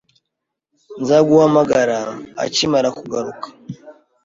Nzaguhamagara akimara kugaruka